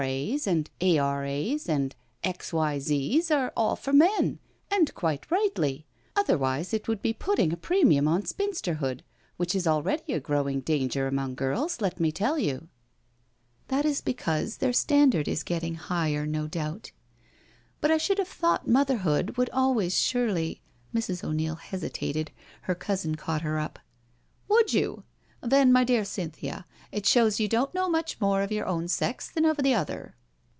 A.'s and A.R.A.'8 and X.Y»Z.'s are all for men— and quite rightly; other wise it would be putting a premium on spinsterhood, which is already a growing danger among girls, let me tell you "" That is because their standard is getting higher, no doubt. But I should have thought motherhood would always surely •.•" Mrs* 0*Neil hesitated, her cousin caught her up. " Would you? Then my dear Cynthia, it shows you don't know much more of your own sex than of the other.